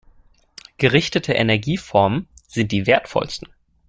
Gerichtete Energieformen sind die wertvollsten.